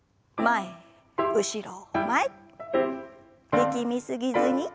力み過ぎずに。